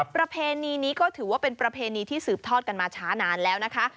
ประเพณีนี้ก็ถือว่าเป็นประเพณีที่สืบทอดกันมาช้านานแล้วนะคะ